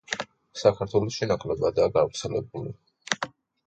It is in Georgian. საქართველოში ნაკლებადაა გავრცელებული.